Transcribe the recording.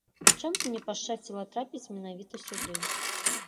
Чаму мне пашчасціла трапіць менавіта сюды?